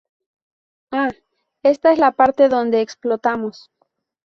¡ Ah! ¡ ésta es la parte donde explotamos!